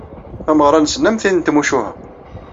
Tameɣra-nsen am tin n tmucuha.